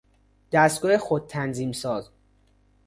دستگاه خودتنظیم ساز